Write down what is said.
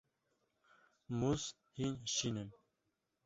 Mûz hîn şîn in.